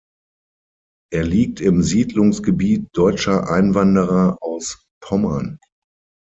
Er liegt im Siedlungsgebiet deutscher Einwanderer aus Pommern.